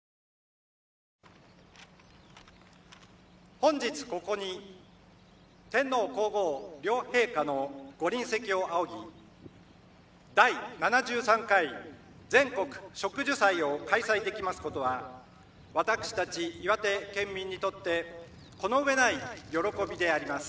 本日ここに天皇皇后両陛下のご臨席を仰ぎ第７３回全国植樹祭を開催できますことは私たち岩手県民にとってこの上ない喜びであります。